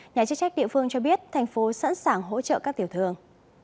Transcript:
nhà chức trách địa phương cho biết thành phố sẵn sàng hỗ trợ các tiểu thường